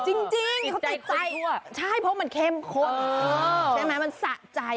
จริงเขาติดใจใช่เพราะมันเข้มข้นใช่ไหมมันสะใจ